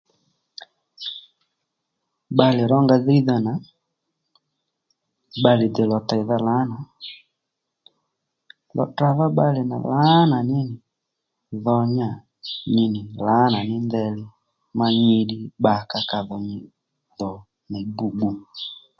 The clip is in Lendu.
Bbalè rónga dhíydha nà bbalè dè lò tèydha lǎnà, lò tdrǎdha bbalè nà lǎnà ní nì dho níyà nyi nì lǎnà ní ndeyli ma nyi ddí ka dho bbakàó nyi dhò bû bbu